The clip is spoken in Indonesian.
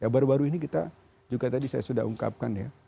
baru baru ini kita juga tadi saya sudah ungkapkan ya